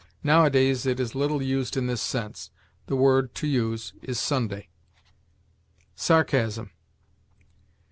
Nowadays it is little used in this sense. The word to use is Sunday. SARCASM.